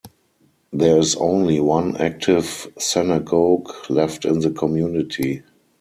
There is only one active synagogue left in the community.